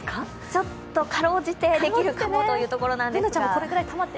ちょっとかろうじて、できるかもというところなんですが。